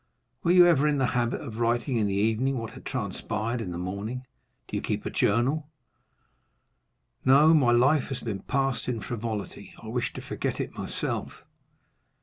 "Were you ever in the habit of writing in the evening what had transpired in the morning? Do you keep a journal?" "No, my life has been passed in frivolity; I wish to forget it myself."